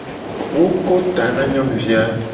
Wo ko ta na nyonuvi a.